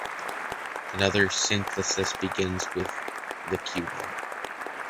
Another synthesis begins with the Cuban.